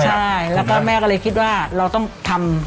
ใช่แล้วก็แม่ก็เลยคิดว่าเราต้องทำ